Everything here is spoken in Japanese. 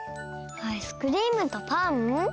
アイスクリームとパン？